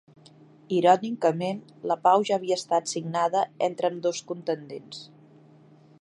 Irònicament, la pau ja havia estat signada entre ambdós contendents.